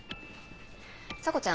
査子ちゃん。